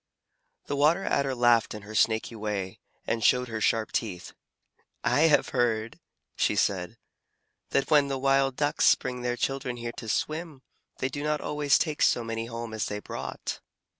The Water Adder laughed in her snaky way, and showed her sharp teeth. "I have heard," she said, "that when the Wild Ducks bring their children here to swim, they do not always take so many home as they brought."